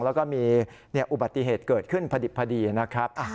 แล้วก็มีอุบัติเหตุเกิดขึ้นพอดิบพอดีนะครับ